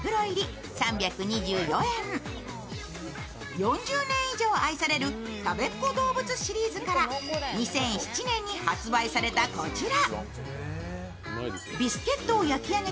４０年以上愛されるたべっ子どうぶつシリーズから２００７年に発売されたこちら。